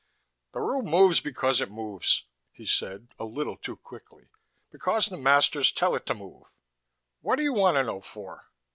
_ "The room moves because it moves," he said, a little too quickly. "Because the masters tell it to move. What do you want to know for?"